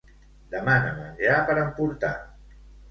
Demana menjar per emportar.